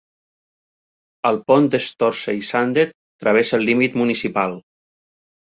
El pont de Storseisundet travessa el límit municipal.